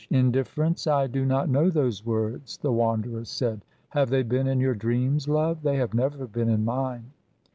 Indifference? I do not know those words," the Wanderer said. "Have they been in your dreams, love? They have never been in mine."